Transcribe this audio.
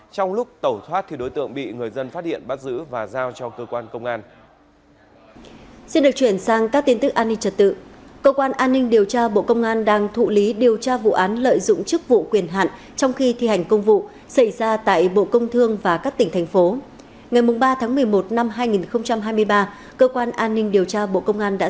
trong lúc tẩu thoát đối tượng bị người dân phát hiện bắt giữ và giao cho cơ quan công an